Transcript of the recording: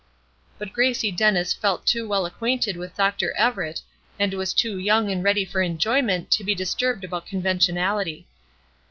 But Gracie Dennis felt too well acquainted with Dr. Everett, and was too young and ready for enjoyment to be disturbed about conventionality.